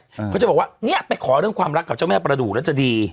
เขาจะบอกว่าเนี้ยไปขอเรื่องความรักกับเจ้าแม่ประดูกแล้วจะดี